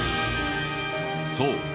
そう。